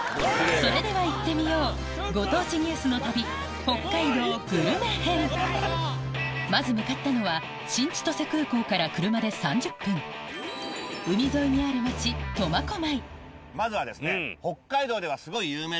それでは行ってみようまず向かったのは新千歳空港から車で３０分海沿いにある町まずはですね。